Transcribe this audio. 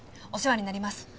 お世話になります。